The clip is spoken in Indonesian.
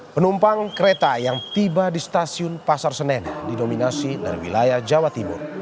penumpang kereta yang tiba di stasiun pasar senen didominasi dari wilayah jawa timur